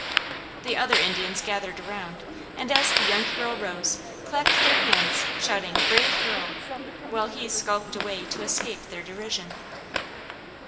The other Indians gathered round, and as the young girl rose clapped their hands, shouting "Brave girl," while he skulked away to escape their derision.